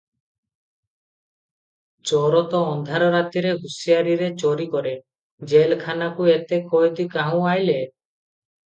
ଚୋର ତ ଅନ୍ଧାର ରାତିରେ ହୁସିଆରୀରେ ଚୋରି କରେ, ଜେଲଖାନାକୁ ଏତେ କଏଦୀ କାହୁଁ ଅଇଲେ?